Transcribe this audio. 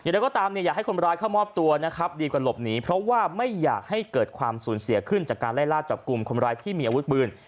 เราก็ตามเนี่ยอยากให้คนร้ายเข้ามอบตัวนะครับดีกว่าหลบหนีเพราะว่าไม่อยากให้เกิดความสูญเสียขึ้นจากการไล่ล่าจับกลุ่มคนร้ายที่มีอาวุธปืน